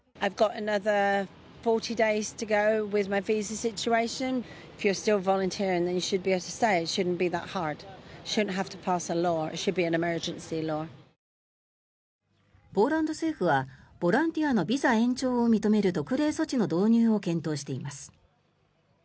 ポーランド政府はボランティアのビザ延長を認める特例措置の導入を検討しています。